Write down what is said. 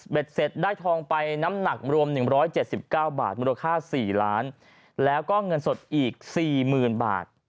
เสร็จได้ทองไปน้ำหนักรวม๑๗๙บาทมูลค่า๔ล้านแล้วก็เงินสดอีก๔๐๐๐บาท